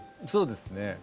そうですね。